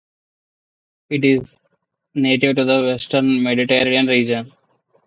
It is native to the western Mediterranean region.